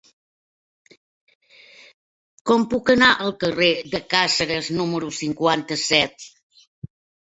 Com puc anar al carrer de Càceres número cinquanta-set?